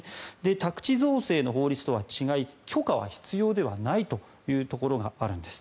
宅地造成の法律とは違い許可は必要ではないというところがあるんです。